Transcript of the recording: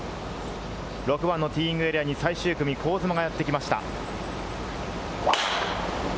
６番のティーイングエリアに最終組、香妻がやってきました。